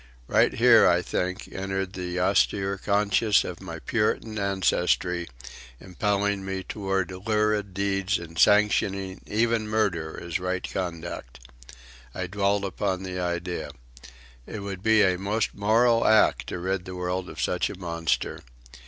Right here, I think, entered the austere conscience of my Puritan ancestry, impelling me toward lurid deeds and sanctioning even murder as right conduct. I dwelt upon the idea. It would be a most moral act to rid the world of such a monster.